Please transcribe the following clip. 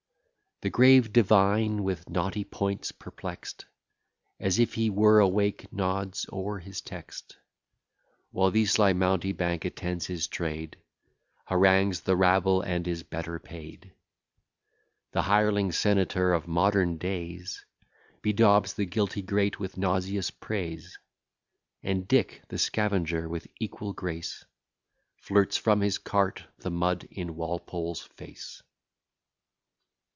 The grave divine, with knotty points perplext, As if he were awake, nods o'er his text: While the sly mountebank attends his trade, Harangues the rabble, and is better paid. The hireling senator of modern days Bedaubs the guilty great with nauseous praise: And Dick, the scavenger, with equal grace Flirts from his cart the mud in Walpole's face.